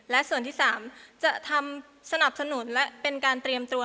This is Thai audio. และส่วนที่๓จะทำสนับสนุนและเป็นการเตรียมตัว